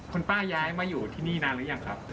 คุณป้าย้ายมาอยู่ที่นี่นานหรือยังครับ